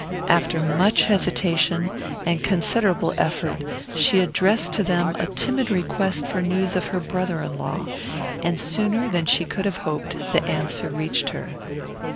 After much hesitation, and considerable effort, she addressed to them a timid request for news of her brother in law; and sooner than she could have hoped the answer reached her.